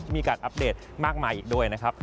มีการอัปเดตมากมายอีกด้วยนะครับ